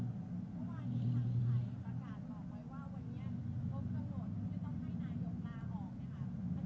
วันนี้ทางไทยนักศึกษาตอบไว้ว่าวันนี้ลงทะโหลดไม่ต้องให้นานหยุดลาออกครับ